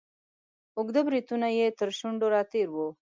اوږده بریتونه یې تر شونډو را تیر وه.